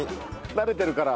慣れてるから？